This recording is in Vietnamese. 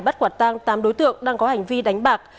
bắt quả tang tám đối tượng đang có hành vi đánh bạc